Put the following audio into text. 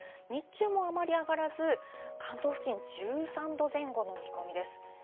日中もあまり上がらず、関東付近、１３度前後の見込みです。